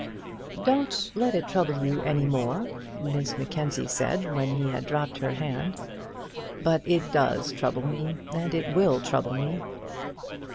"Don't let it trouble you any more," Miss Mackenzie said, when he had dropped her hand. "But it does trouble me, and it will trouble me."